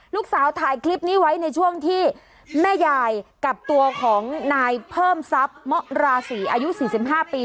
ลูกสาวถ่ายคลิปนี้ไว้ในช่วงที่แม่ยายกับตัวของนายเพิ่มทรัพย์เมาะราศีอายุ๔๕ปี